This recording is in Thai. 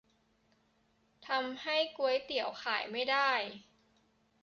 ทำให้ก๋วยเตี๋ยวขายไม่ได้ !